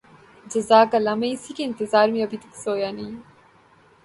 جزاک اللہ میں اسی کے انتظار میں ابھی تک سویا نہیں